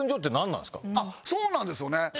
あっそうなんですよね。